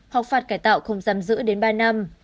hoặc phạt cải tạo không giam giữ đến ba năm